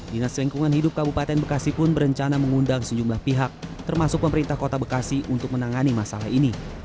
dinas lingkungan hidup kabupaten bekasi pun berencana mengundang sejumlah pihak termasuk pemerintah kota bekasi untuk menangani masalah ini